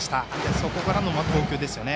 そこからの投球ですよね。